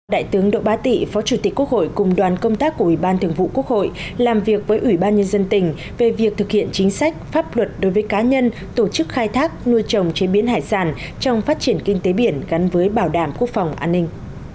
đại tướng độ bá tị phó chủ tịch quốc hội cùng đoàn công tác của ủy ban thường vụ quốc hội làm việc với ủy ban nhân dân tỉnh về việc thực hiện chính sách pháp luật đối với cá nhân tổ chức khai thác nuôi trồng chế biến hải sản trong phát triển kinh tế biển gắn với bảo đảm quốc phòng an ninh